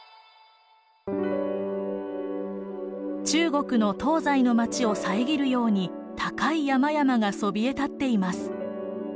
中国の東西の町を遮るように高い山々がそびえ立っています。